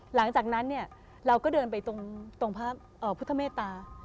หลังจากนั้นเนี่ยเราก็เดินไปตรงพระพุทธเมตตา